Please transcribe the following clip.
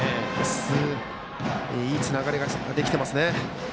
いいつながりができてますね。